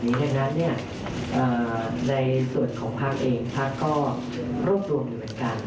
เพราะฉะนั้นในส่วนของพักเองพักก็รวบรวมอยู่เหมือนกัน